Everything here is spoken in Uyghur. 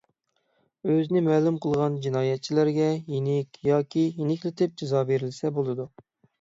ئۆزىنى مەلۇم قىلغان جىنايەتچىلەرگە يېنىك ياكى يېنىكلىتىپ جازا بېرىلسە بولىدۇ.